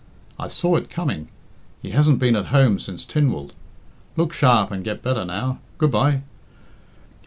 I saw it coming. He hasn't been at home since Tynwald. Look sharp and get better now. Good bye!"